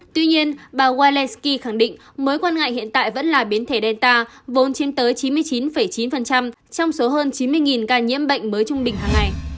tuy nhiên bà zelensky khẳng định mối quan ngại hiện tại vẫn là biến thể delta vốn chiếm tới chín mươi chín chín trong số hơn chín mươi ca nhiễm bệnh mới trung bình hàng ngày